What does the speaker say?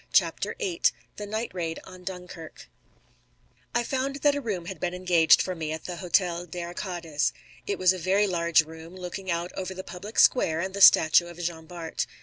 CHAPTER VIII THE NIGHT RAID ON DUNKIRK I found that a room had been engaged for me at the Hotel des Arcades. It was a very large room looking out over the public square and the statue of Jean Bart.